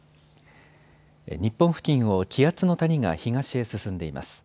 日本付近を気圧の谷が東へ進んでいます。